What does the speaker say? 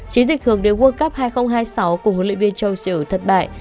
chính dịch hưởng đến world cup hai nghìn hai mươi sáu cùng huấn luyện viên châu sưu thất bại